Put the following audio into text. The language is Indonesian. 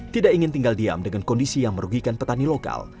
tidak ingin tinggal diam dengan kondisi yang merugikan petani lokal